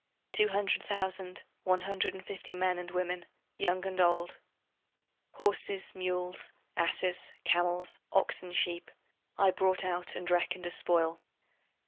Two hundred thousand, one hundred and fifty men and women, young and old, Horses, mules, asses, camels, oxen, sheep, I brought out and reckoned as spoil.